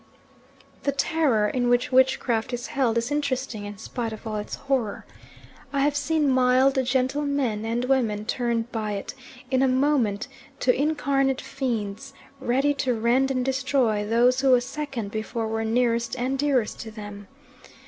The terror in which witchcraft is held is interesting in spite of all its horror. I have seen mild, gentle men and women turned by it, in a moment, to incarnate fiends, ready to rend and destroy those who a second before were nearest and dearest to them.